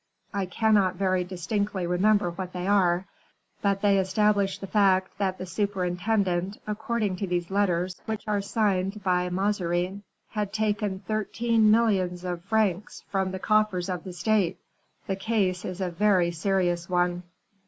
I cannot very distinctly remember what they are; but they establish the fact that the superintendent, according to these letters, which are signed by Mazarin, had taken thirteen millions of francs from the coffers of the state. The case is a very serious one."